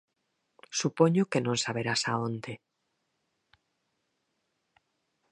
Supoño que non saberás a onde.